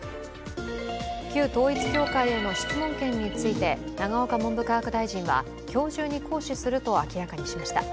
旧統一教会への質問権について、永岡文部科学大臣は今日中に行使すると明らかにしました。